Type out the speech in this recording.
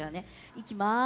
いきます。